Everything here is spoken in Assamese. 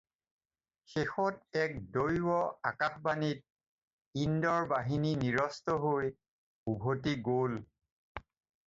শেষত এক দৈৱ আকাশবাণীত ইন্দ্ৰৰ বাহিনী নিৰস্ত হৈ উভতি গ'ল।